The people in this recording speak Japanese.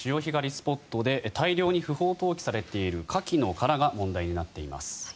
スポットで大量に不法投棄されているカキの殻が問題になっています。